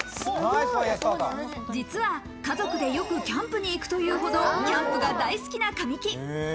実は家族でよくキャンプに行くというほどキャンプが大好きな神木。